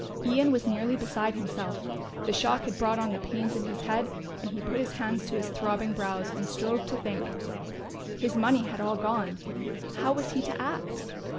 Ian was nearly beside himself, the shock had brought on the pains in his head and he put his hands to his throbbing brows and strove to think. His money had all gone; how was he to act?